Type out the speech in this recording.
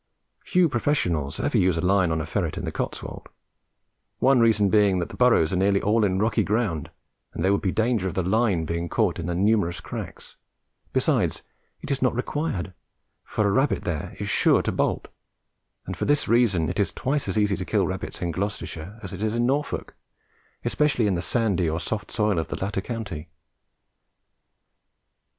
Few professionals ever use a line on a ferret on the Cotswold, one reason being that the burrows are nearly all in rocky ground, and there would be danger of the line being caught in the numerous cracks; besides it is not required, for a rabbit there is sure to bolt, and for this reason it is twice as easy to kill rabbits in Gloucestershire as it is in Norfolk, especially in the sandy or soft soil of the latter county.